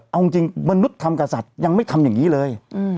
เอาจริงมนุษย์ทำกับสัตว์ยังไม่ทำอย่างนี้เลย